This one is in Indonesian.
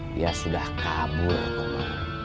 dia sudah kabur komar